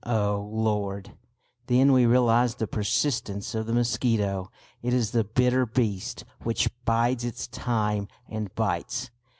oh, Lord! then we realised the persistence of the mosquito. It is the "bitter beast, which bides its time and bites."